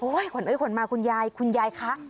โอ๊ยขวัญมาคุณยายคุณยายคะ